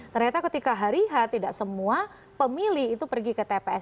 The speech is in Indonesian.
ternyata ketika hari h tidak semua pemilih itu pergi ke tps